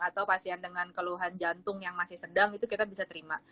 atau pasien dengan keluhan jantung yang masih sedang itu kita bisa terima